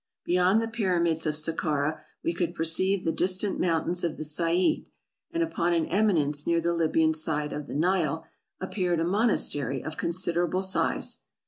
Beyond the Pyramids of Saccara we could perceive the distant mountains of the Said ; and upon an eminence near the Libyan side of the Nile, appeared a monastery of considerable size.